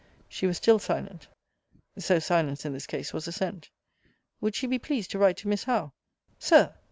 She was still silent. So silence in this case was assent. Would she be pleased to write to Miss Howe? Sir!